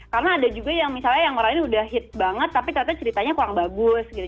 karena ada juga yang misalnya yang meranin udah hit banget tapi ternyata ceritanya kurang bagus gitu